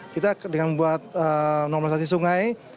kita dengan membuat normalisasi sungai